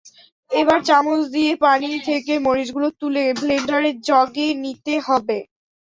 এবার চামচ দিয়ে পানি থেকে মরিচগুলো তুলে ব্লেন্ডারের জগে নিতে হবে।